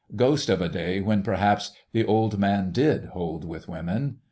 ghost of a day when perhaps the old man did "hold with" women.